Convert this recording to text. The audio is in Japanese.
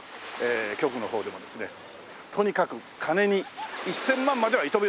局の方でもですねとにかく金に１０００万までは糸目をつけないと。